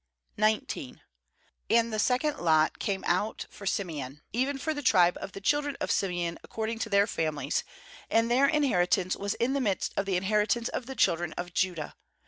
"j Q And the second lot came out for ^^ Simeon, even for the tribe of the children of Simeon according to their families; and their inheritance was in the midst of the inheritance of the children of Judah.